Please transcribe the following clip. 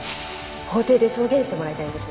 法廷で証言してもらいたいんです